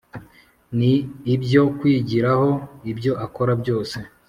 ni ibyo kwigiraho, ibyo akora byose.